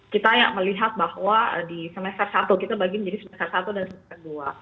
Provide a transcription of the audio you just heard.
kita melihat bahwa di semester satu kita bagi menjadi semester satu dan semester dua